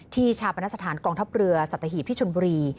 ที่ชาปัณฑสถานกองทับเรือสตหิบที่ชุนบุรี